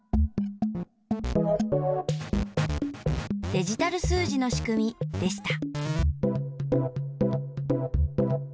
デジタル数字のしくみでした。